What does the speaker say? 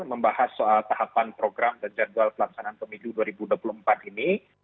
membahas soal tahapan program dan jadwal pelaksanaan pemilu dua ribu dua puluh empat ini